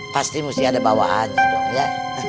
pasti mesti ada bawaan dong ya